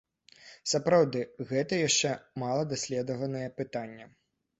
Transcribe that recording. Сапраўды, гэта яшчэ мала даследаванае пытанне.